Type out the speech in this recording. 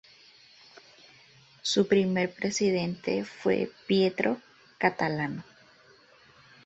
Su primer presidente fue Pietro Catalano.